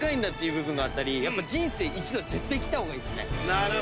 なるほど。